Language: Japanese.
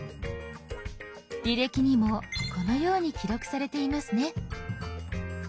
履歴にもこのように記録されていますね。